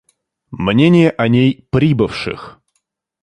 Мнения о ней прибывших.